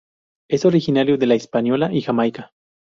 Es originario de la Hispaniola y Jamaica.